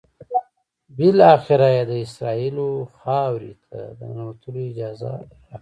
بالآخره یې د اسرائیلو خاورې ته د ننوتلو اجازه راکړه.